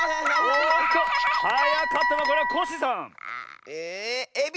おっとはやかったのはこれはコッシーさん！えエビ！